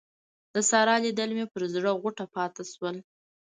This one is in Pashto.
د سارا لیدل مې پر زړه غوټه پاته شول.